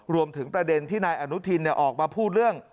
รวมถึงประเด็นที่นายอนุทินออกมาพูดเรื่อง